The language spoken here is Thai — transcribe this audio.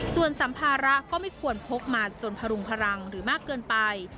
ส่วนสัมภาระก็ไม่ควรพกมาจนพรุงพลังหรือมากเกินไป